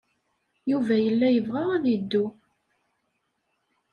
Yuba yella yebɣa ad yeddu.